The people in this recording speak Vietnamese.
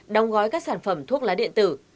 đóng gói các sản phẩm thuốc lái điện tử